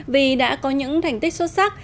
vì đã có những thành tích xuất sắc